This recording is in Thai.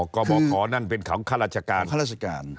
อ๋อกรบรขภนนั้นเป็นของครราชการ